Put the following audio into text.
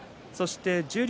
十両